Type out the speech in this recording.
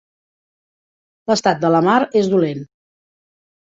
L'estat de la mar és dolent.